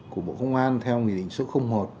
của bộ công an theo nghị định số một